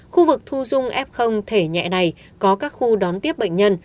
khu vực thu dung f thể nhẹ này có các khu đón tiếp bệnh nhân